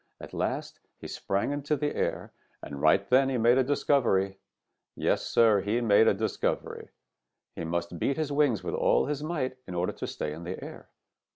At last he sprang into the air, and right then he made a discovery. Yes, Sir, he made a discovery. He must beat his wings with all his might in order to stay in the air.